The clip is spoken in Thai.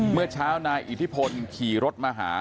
เมื่อเช้านายอิทธิพลขี่รถมาหา